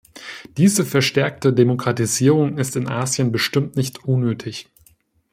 Diese verstärkte Demokratisierung ist in Asien bestimmt nicht unnötig.